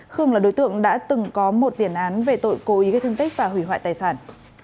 khương là đối tượng đã từng có một tiền án về tội cố ý gây thương tích và hủy hoại tài sản